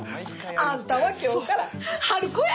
あんたは今日から春子や！